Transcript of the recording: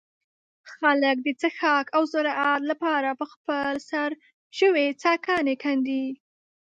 خلک د څښاک او زراعت له پاره په خپل سر ژوې څاګانې کندي.